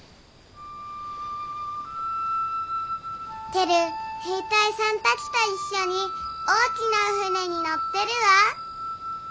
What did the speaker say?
テル兵隊さんたちと一緒に大きなお船に乗ってるわ。